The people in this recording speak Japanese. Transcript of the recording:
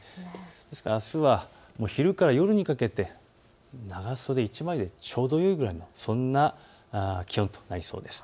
そしてあすは昼から夜にかけて長袖１枚でちょうどいいくらいのそんな気温となりそうです。